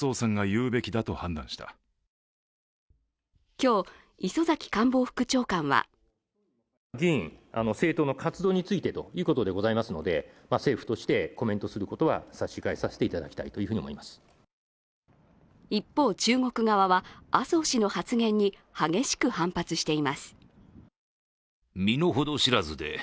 今日、磯崎官房副長官は一方、中国側は、麻生氏の発言に激しく反発しています。